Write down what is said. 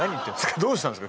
どうしたんですか？